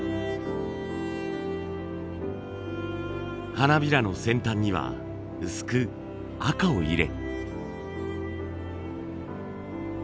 花びらの先端には薄く赤を入れ。